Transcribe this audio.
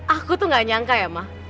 aku tuh gak nyangka ya ma